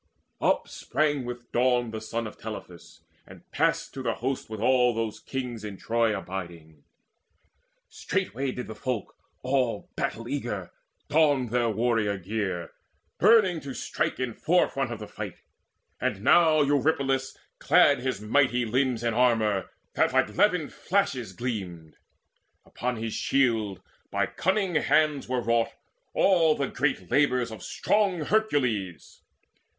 Up sprang with dawn the son of Telephus, And passed to the host with all those other kings In Troy abiding. Straightway did the folk All battle eager don their warrior gear, Burning to strike in forefront of the fight. And now Eurypylus clad his mighty limbs In armour that like levin flashes gleamed; Upon his shield by cunning hands were wrought All the great labours of strong Hercules.